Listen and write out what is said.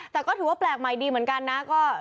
แต่ก็ถือว่าแปลกใหม่ดีเหมือนกันนะ